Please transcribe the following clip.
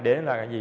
để là cái gì